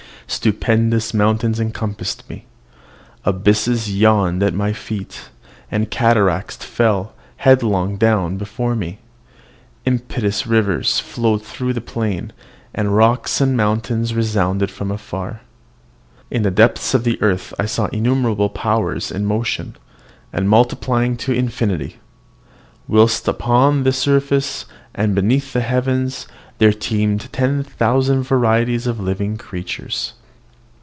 Stupendous mountains encompassed me, abysses yawned at my feet, and cataracts fell headlong down before me; impetuous rivers rolled through the plain, and rocks and mountains resounded from afar. In the depths of the earth I saw innumerable powers in motion, and multiplying to infinity; whilst upon its surface, and beneath the heavens, there teemed ten thousand varieties of living creatures.